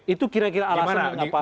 itu kira kira alasan